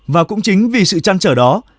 và cũng chính vì sự trăn trở đó